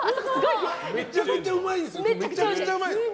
めちゃくちゃうまいんですよ。